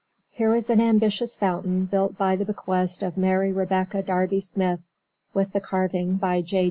Here is an ambitious fountain built by the bequest of Mary Rebecca Darby Smith, with the carving by J.